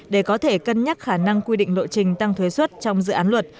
để có thể cân nhắc khả năng quy định lộ trình tăng thuế xuất trong dự án luật